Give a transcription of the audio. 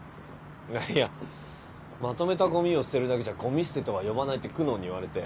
いやまとめたごみを捨てるだけじゃごみ捨てとは呼ばないって久能に言われて。